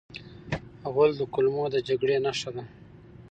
غول د کولمو د جګړې نښه ده.